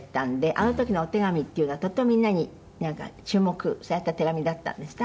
あの時のお手紙っていうのはとっても、みんなに注目された手紙だったんですか？